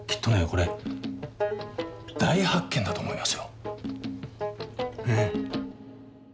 これ大発見だと思いますよ。